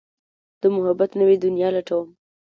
د محبت نوې دنيا لټوم